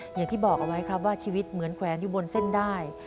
อย่างที่บอกเอาไว้ครับว่าชีวิตเหมือนแขวนอยู่บนเส้นได้